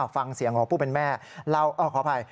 ฟังเสียงพวกเป็นแม่เราขออภัย